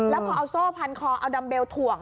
แล้วพอเอาโซ่พันคอเอาดัมเบลถ่วง